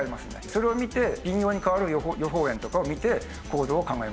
それを見て微妙に変わる予報円とかを見て行動を考えます。